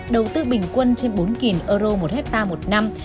đầu tư bình quân trên bốn euro một hectare một năm